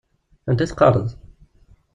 Anda i teqqareḍ?